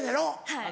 はい。